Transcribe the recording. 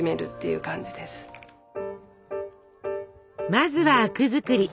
まずは灰汁作り。